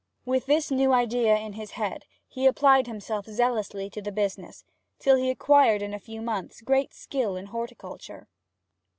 With the new idea in his head he applied himself zealously to the business, till he acquired in a few months great skill in horticulture.